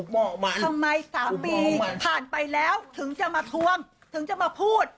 ทำไม๓ปีผ่านไปแล้วถึงจะมาทวงถึงจะมาพูด